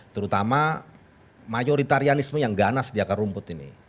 terutama mayoritarianisme yang ganas di akar rumput ini